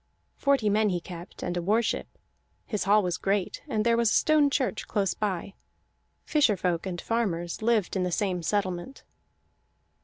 Forty men he kept, and a war ship; his hall was great, and there was a stone church close by; fisher folk and farmers lived in the same settlement.